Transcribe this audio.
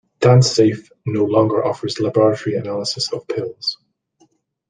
DanceSafe no longer offers laboratory analysis of pills.